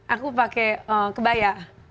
aku pakai kebaya